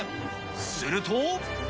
すると。